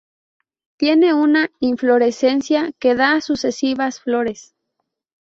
Tiene una inflorescencia que da sucesivas flores.